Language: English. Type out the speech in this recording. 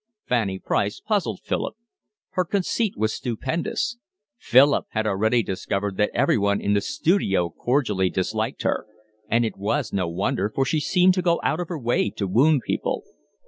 Fanny Price puzzled Philip. Her conceit was stupendous. Philip had already discovered that everyone in the studio cordially disliked her; and it was no wonder, for she seemed to go out of her way to wound people.